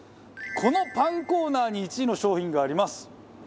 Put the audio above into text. このパンコーナーに１位の商品があります。